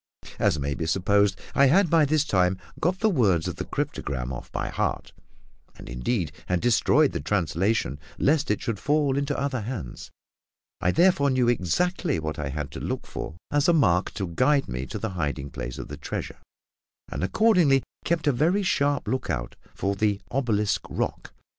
As may be supposed, I had by this time got the words of the cryptogram off by heart and, indeed, had destroyed the translation, lest it should fall into other hands I therefore knew exactly what I had to look for as a mark to guide me to the hiding place of the treasure, and accordingly kept a very sharp lookout for "the obelisk rock."